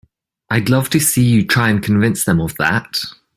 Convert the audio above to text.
I'd love to see you try and convince them of that!